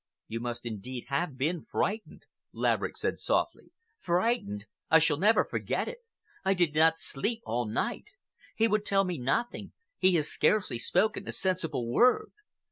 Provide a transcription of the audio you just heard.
"You must indeed have been frightened," Laverick said softly. "Frightened! I shall never forget it! I did not sleep all night. He would tell me nothing—he has scarcely spoken a sensible word.